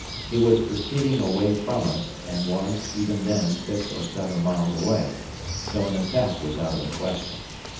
He was proceeding away from us, and was, even then, six or seven miles away, so an attack was out of the question.